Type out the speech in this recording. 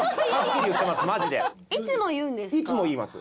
いつも言うんですか？